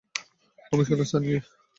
Commissioner sir, নিজে?